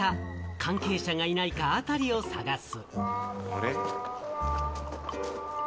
関係者がいないかあたりを探す。